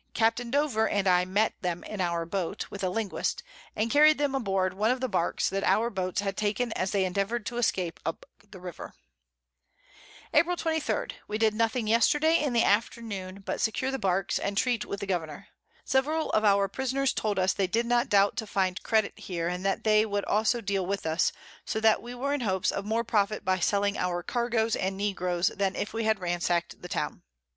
Capt. Dover and I met them in our Boat, with a Linguist, and carried them aboard one of the Barks that our Boats had taken as they endeavour'd to escape up the River. [Sidenote: At Guiaquil.] April 23. We did nothing yesterday in the Afternoon, but secure the Barks, and treat with the Governour. Several of our Prisoners told us they did not doubt to find Credit here, and that they would also deal with us; so that we were in hopes of more Profit by selling our Cargo's and Negro's than if we had ransack'd the Town.